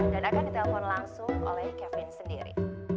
dan akan ditelepon langsung oleh kevin sendiri